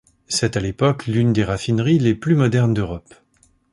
C'est, à l'époque, l'une des raffineries les plus modernes d'Europe.